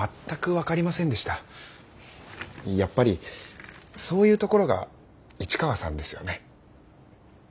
やっぱりそういうところが市川さんですよね。